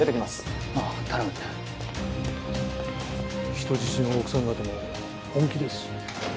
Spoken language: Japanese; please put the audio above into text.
人質の奥さん方も本気ですよ。